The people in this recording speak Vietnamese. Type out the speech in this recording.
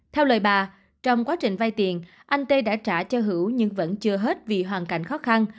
theo lời bà trong quá trình vay tiền anh tê đã trả cho hữu nhưng vẫn chưa hết vì hoàn cảnh khó khăn